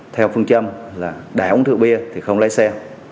theo phương châm là đại ủng thư bia thì không lấy xe